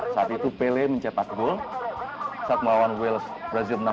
saat itu pele mencetak gol saat melawan wales brazil enam belas